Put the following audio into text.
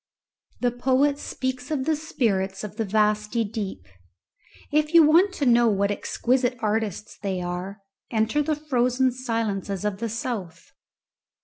The poet speaks of the spirits of the vasty deep; if you want to know what exquisite artists they are, enter the frozen silences of the south.